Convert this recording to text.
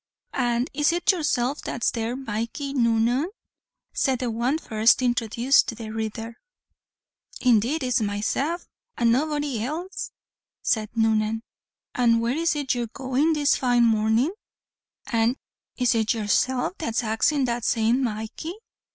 "And is it yourself that's there Mikee Noonan?" said the one first introduced to the reader. "Indeed it's mysef and nobody else," said Noonan; "an' where is it you're goin' this fine mornin'?" "An' is it yoursef that's axin' that same, Mikee?